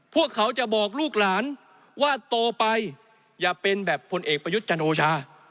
พวกเขาจะบอกลูกหลานว่าโตไปอย่าเป็นแบบพลเอกประยุทธ์จันโอชา